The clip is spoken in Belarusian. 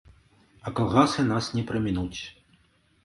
А калгасы нас не прамінуць.